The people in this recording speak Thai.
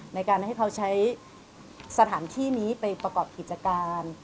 ในการให้เขาใช้สถานที่นี้ไปประกอบกิจการ